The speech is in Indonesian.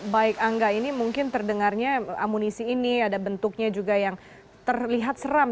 baik angga ini mungkin terdengarnya amunisi ini ada bentuknya juga yang terlihat seram